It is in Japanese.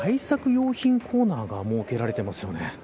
用品コーナーが設けられています。